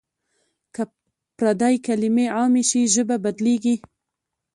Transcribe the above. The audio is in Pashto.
که پردۍ کلمې عامې شي ژبه بدلېږي.